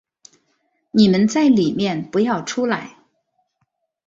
你们在里面不要出来